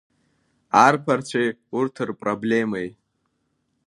Арԥарцәеи урҭ рпроблемеи.